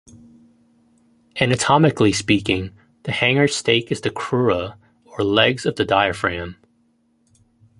Anatomically speaking, the hanger steak is the crura, or legs, of the diaphragm.